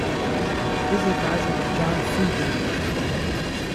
His advisor was John Friedlander.